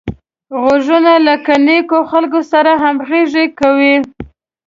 غوږونه له نېکو خلکو سره همغږي کوي